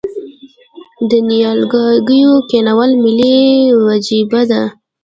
د نیالګیو کینول ملي وجیبه ده؟